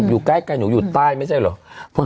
อยู่ใกล้หนูอยู่ใต้ไม่ใช่เหรอ